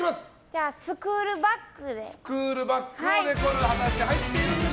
じゃあスクールバッグで。